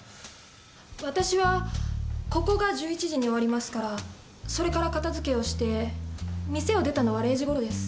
私はここが１１時に終わりますからそれから片づけをして店を出たのは０時頃です。